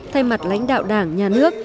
thay mặt lãnh đạo đảng nhà nước